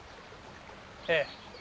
ええ。